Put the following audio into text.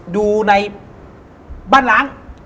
ดูในบ้านหลัง